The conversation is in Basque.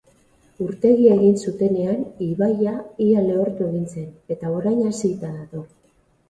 Urtegia egin zutenean ibaia ia lehortu egin zen, eta orain hazita dator.